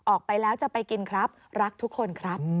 ออกไปแล้วจะไปกินครับรักทุกคนครับ